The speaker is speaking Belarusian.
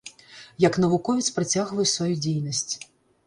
Як навуковец працягваю сваю дзейнасць.